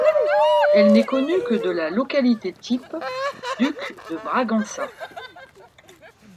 Elle n'est connue que de la localité type, Duque de Bragança.